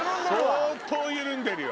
相当緩んでるよ。